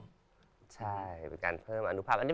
เป็นการเพิ่มอนุภาพ